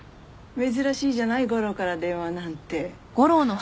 珍しいじゃない悟郎から電話なんて。